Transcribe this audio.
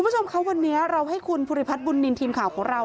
คุณผู้ชมคะวันนี้เราให้คุณภูริพัฒนบุญนินทีมข่าวของเรา